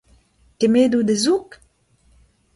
Kemmet out hezoug ?